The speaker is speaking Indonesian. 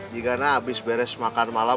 jika nak habis beres makan malam